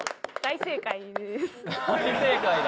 大正解だ。